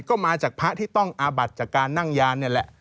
ก็มาจากพระที่ต้องอาบัดจากการนั่งยานนี่แหละ